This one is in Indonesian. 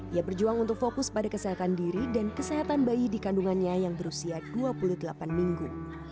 ia berjuang untuk fokus pada kesehatan diri dan kesehatan bayi di kandungannya yang berusia dua puluh delapan minggu